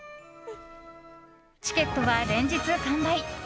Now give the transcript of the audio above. チケットは連日完売。